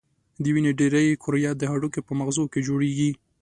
د وینې ډېری کرویات د هډوکو په مغزو کې جوړیږي.